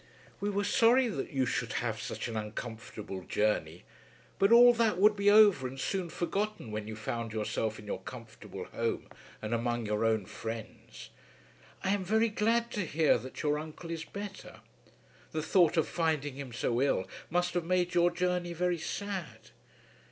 We were sorry that you should have such an uncomfortable journey; but all that would be over and soon forgotten when you found yourself in your comfortable home and among your own friends. I am very glad to hear that your uncle is better. The thought of finding him so ill must have made your journey very sad.